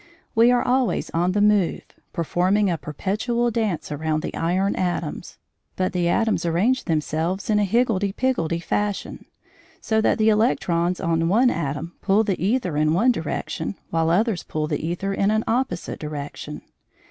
We are always on the move, performing a perpetual dance around the iron atoms, but the atoms arrange themselves in a higgledy piggledy fashion, so that the electrons on one atom pull the æther in one direction while others pull the æther in an opposite direction.